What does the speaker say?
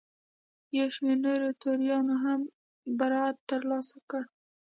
یو شمېر نورو توریانو هم برائت ترلاسه کړ.